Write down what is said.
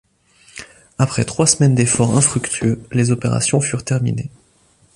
Après trois semaines d'efforts infructueux, les opérations furent terminées.